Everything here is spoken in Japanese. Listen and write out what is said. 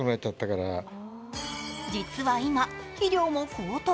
実は今、肥料も高騰。